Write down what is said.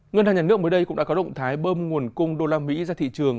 ngân hàng nhà nước mới đây cũng đã có động thái bơm nguồn cung đô la mỹ ra thị trường